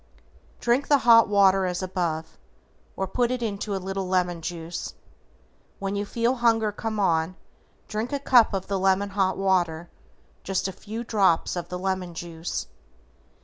Drink the hot water as above, or put into it a little lemon juice. When you feel hunger come on drink a cup of the lemon hot water, just a few drops of the lemon juice.